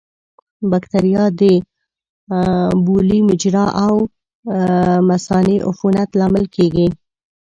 بکتریا د بولي مجرا او مثانې عفونت لامل کېږي.